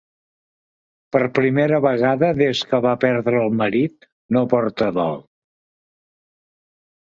Per primera vegada des que va perdre el marit no porta dol.